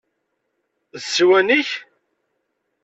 D ssiwan-ik?